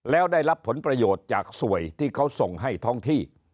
แล้วได้รับผลประโยชน์จากสวยที่เขาส่งให้ท้องที่